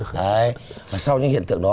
đấy và sau những hiện tượng đó